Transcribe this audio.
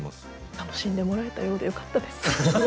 楽しんでもらえたようでよかったです。